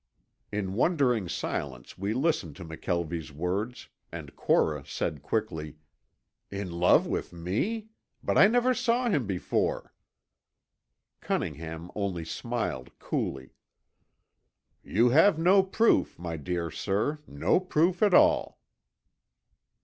In wondering silence we listened to McKelvie's words and Cora said quickly, "In love with me? But I never saw him before." Cunningham only smiled coolly. "You have no proof, my dear sir, no proof at all."